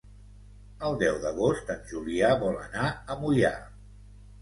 El deu d'agost en Julià vol anar a Moià.